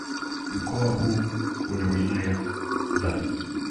Mkoa huu una wilaya za